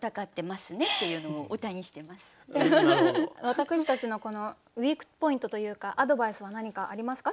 私たちのウイークポイントというかアドバイスは何かありますか？